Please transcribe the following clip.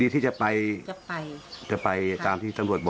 กลัวที่กลัวกลัวอะไรครับ